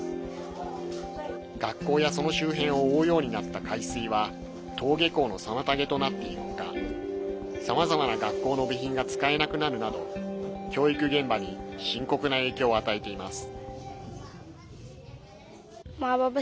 学校や、その周辺を覆うようになった海水は登下校の妨げとなっている他さまざまな学校の備品が使えなくなるなど教育現場に深刻な影響を与えています。